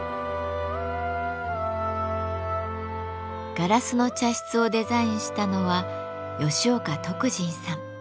「ガラスの茶室」をデザインしたのは吉岡徳仁さん。